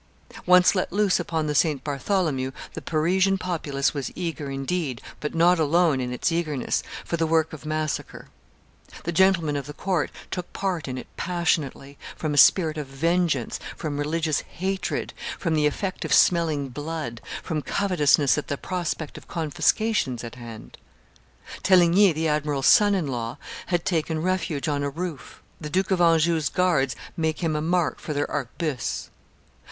Once let loose upon the St. Bartholomew, the Parisian populace was eager indeed, but not alone in its eagerness, for the work of massacre; the gentlemen of the court took part in it passionately, from a spirit of vengeance, from religious hatred, from the effect of smelling blood, from covetousness at the prospect of confiscations at hand. Teligny, the admiral's son in law, had taken refuge on a roof; the Duke of Anjou's guards make him a mark for their arquebuses.